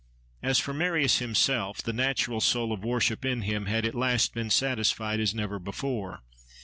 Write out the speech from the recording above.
As for Marius himself,—the natural soul of worship in him had at last been satisfied as never before.